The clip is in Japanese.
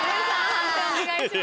判定お願いします。